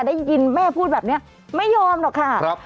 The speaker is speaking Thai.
ได้ยินแม่พูดแบบนี้ไม่ยอมหรอกค่ะ